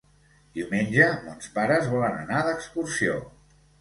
Diumenge mons pares volen anar d'excursió.